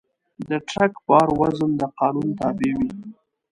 د ټرک بار وزن د قانون تابع وي.